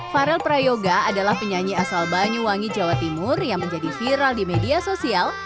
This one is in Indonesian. farel prayoga adalah penyanyi asal banyuwangi jawa timur yang menjadi viral di media sosial